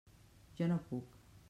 Jo no puc.